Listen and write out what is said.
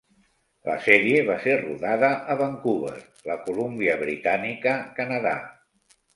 La sèrie va ser rodada a Vancouver, la Columbia Britànica, Canadà.